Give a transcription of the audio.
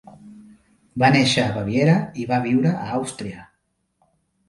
Va néixer a Baviera i va viure a Àustria.